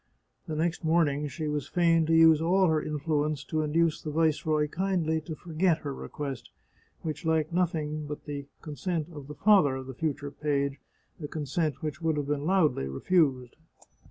The next morning she was fain to use all her influence to induce the Viceroy kindly to forget her request, which lacked nothing but the consent of the father of the future page — a consent which would have been loudly refused.